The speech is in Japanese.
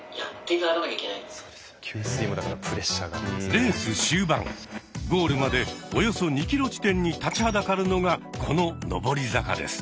レース終盤ゴールまでおよそ２ｋｍ地点に立ちはだかるのがこの上り坂です。